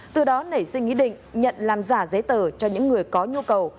từ đó nảy sinh ý định nhận làm giả giấy tờ cho những người có nhu cầu